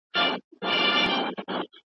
هغه د خپل هېواد لپاره له خپلې غوسې څخه تېر شو.